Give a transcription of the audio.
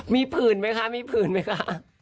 มีผืนมั้ยคะมีผืนมั้ยคะ